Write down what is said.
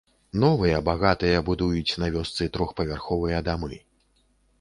Новыя багатыя будуюць на вёсцы трохпавярховыя дамы.